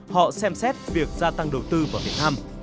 họ xem xét việc gia tăng đầu tư vào việt nam